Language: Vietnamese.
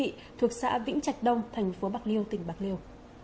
đoàn thanh niên công an tỉnh bạc liêu đã vĩnh chạch đông thành phố bạc liêu tỉnh bạc liêu